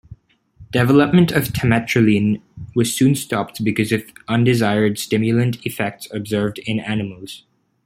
Development of tametraline was soon stopped because of undesired stimulant effects observed in animals.